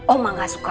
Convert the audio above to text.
oma gak suka